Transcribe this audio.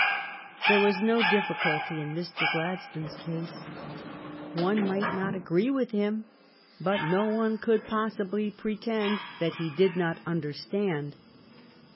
There was no difficulty in Mr. Gladstone's case. One might not agree with him, but no one could possibly pretend that he did not understand.